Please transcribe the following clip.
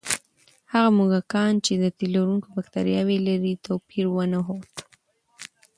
هغه موږکان چې د تیلرونکي بکتریاوې لري، توپیر ونه ښود.